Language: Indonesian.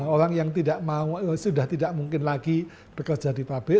orang yang tidak mau sudah tidak mungkin lagi bekerja di pabrik